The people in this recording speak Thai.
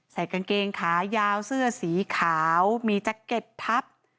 กางเกงขายาวเสื้อสีขาวมีแจ็คเก็ตทับ